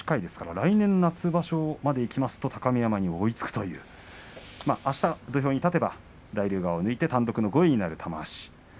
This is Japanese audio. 来年、夏場所まできますと高見山に追いつくというあした土俵に立てば大竜川を抜いて単独で５位になる玉鷲です。